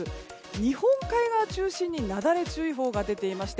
日本海側を中心になだれ注意報が出ていまして